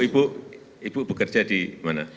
ibu ibu bekerja di mana